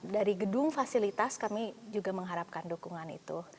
dari gedung fasilitas kami juga mengharapkan dukungan itu